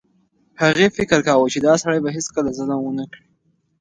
هغې فکر کاوه چې دا سړی به هیڅکله ظلم ونه کړي.